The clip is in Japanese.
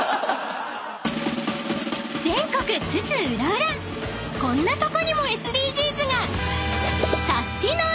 ［全国津々浦々こんなとこにもＳＤＧｓが！］